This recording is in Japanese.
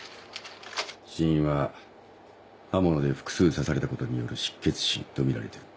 死因は刃物で複数刺されたことによる失血死とみられてる。